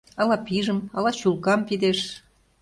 Ала пижым, ала чулкам пидеш.